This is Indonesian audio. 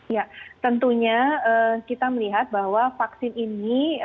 ya tentunya kita melihat bahwa vaksin ini